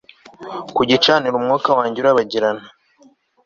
Ku gicaniro umwuka wanjye urabagirana